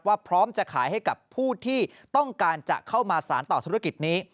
พร้อมจะขายให้กับผู้ที่ต้องการจะเข้ามาสารต่อธุรกิจนี้